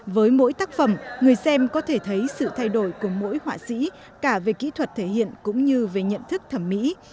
với mỗi tác phẩm người xem có thể thấy sự thay đổi của mỗi họa sĩ cả về kỹ thuật thể hiện cũng như về nhận thức thẩm mỹ